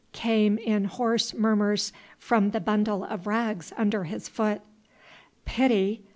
came in hoarse murmurs from the bundle of rags under his foot. "Pity?